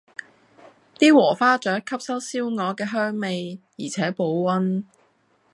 啲禾花雀吸收燒鵝嘅香味，而且保溫